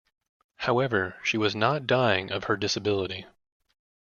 However, she was not dying of her disability.